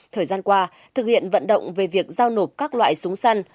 thời gian qua thực hiện vận động về việc giao nộp các loại súng săn